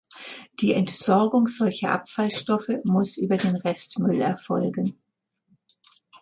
Die Entsorgung solcher Abfallstoffe muss über den Restmüll erfolgen.